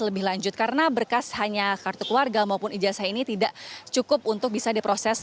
lebih lanjut karena berkas hanya kartu keluarga maupun ijazah ini tidak cukup untuk bisa diproses